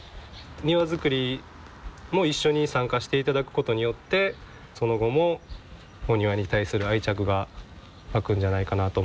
庭造りも一緒に参加して頂くことによってその後もお庭に対する愛着が湧くんじゃないかなと思って。